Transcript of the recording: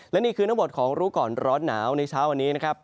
และนี่คือทั้งหมดของรู้ก่อนร้อนหนาวในเช้าวันนี้นะครับ